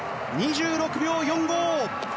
２６秒４５。